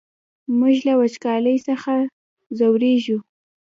موږ له وچکالۍ څخه ځوريږو!